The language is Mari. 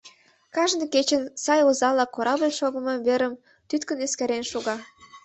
Кажне кечын сай озала корабль шогымо верым тӱткын эскерен шога.